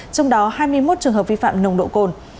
trong đó hai mươi một trường hợp vi phạm nồng độ cồn